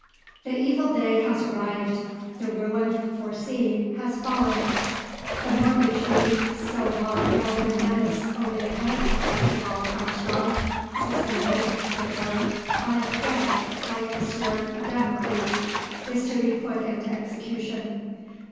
The evil day has arrived; the ruin, foreseen, has fallen. The mortgage deed, so long held in menace over the head of Archibald Armstrong suspended, as it were, by a thread, like the sword of Damocles is to be put into execution.